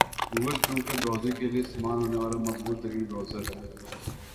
Google چونکہ browsing کے لئے استعمال ہونے والا مقبول ترین برؤزر ہے